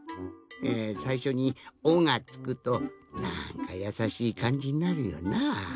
えさいしょに「お」がつくとなんかやさしいかんじになるよな。